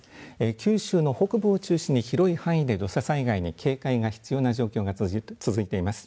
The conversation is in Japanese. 九州の北部を中心に広い範囲で土砂災害に警戒が必要な状況が続いています。